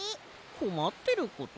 こまってること？